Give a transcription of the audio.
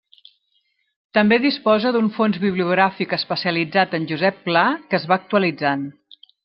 També disposa d'un fons bibliogràfic especialitzat en Josep Pla que es va actualitzant.